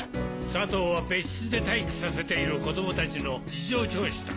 佐藤は別室で待機させている子供たちの事情聴取だ。